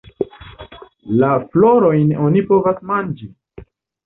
La florojn oni povas manĝi.